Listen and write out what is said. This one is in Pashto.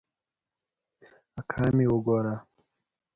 اکا مې وګوره.